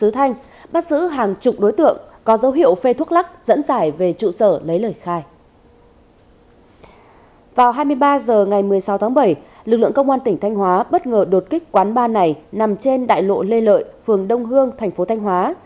tại giờ ngày một mươi sáu tháng bảy lực lượng công an tỉnh thanh hóa bất ngờ đột kích quán ba này nằm trên đại lộ lê lợi phường đông hương thành phố thanh hóa